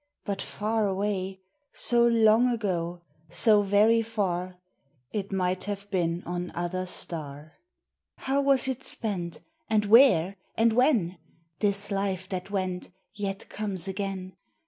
But far away — So long ago, so very far, It might have been on other star. How was it spent? and where? and when? This life that went, yet comes again